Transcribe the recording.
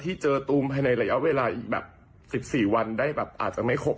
ที่เจอตูมภายในระยะเวลาอีกแบบ๑๔วันได้แบบอาจจะไม่ครบ